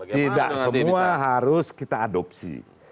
tidak semua harus kita adopsi